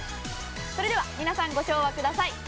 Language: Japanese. それでは皆さんご唱和ください。